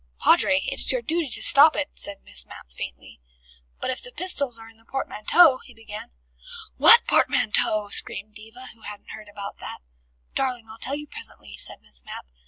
"Padre, it is your duty to stop it," said Miss Mapp faintly. "But if the pistols are in a portmanteau " he began. "What portmanteau?" screamed Diva, who hadn't heard about that. "Darling, I'll tell you presently," said Miss Mapp.